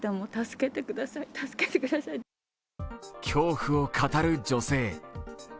恐怖を語る女性。